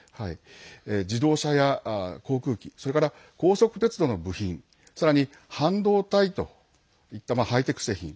自動車や航空機それから高速鉄道の部品さらに、半導体といったハイテク製品。